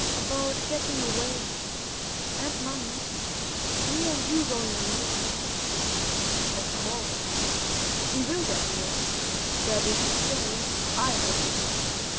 "About getting away—and money. Me and you going away." "Of course. We will get away—that is to say, I will."